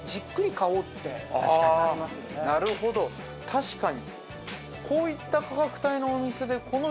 確かに。